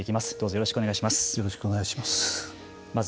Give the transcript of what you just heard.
よろしくお願いします。